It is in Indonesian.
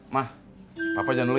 ma bapak jalan dulu ya